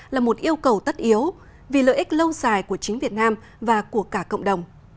là một yêu cầu tất yếu vì lợi ích lâu dài của chính việt nam và của cả cộng đồng